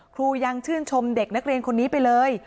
ครูยังชื่นชมเด็กนักเรียนคนนี้ไปเลย